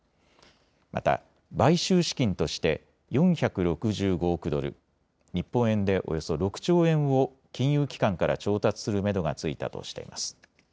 また買収資金として４６５億ドル日本円でおよそ６兆円を金融機関から調達するめどがついたとしています。